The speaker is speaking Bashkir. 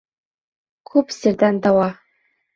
Күп сирҙән дауа